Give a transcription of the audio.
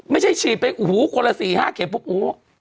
ไม่ใช่ฉีดไปโอ้โหคนละ๔๕เข็มปุ๊บโอ้